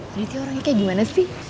berarti orangnya kayak gimana sih